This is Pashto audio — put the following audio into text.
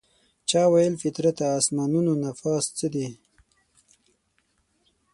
چا ویل فطرته اسمانونو نه پاس څه دي؟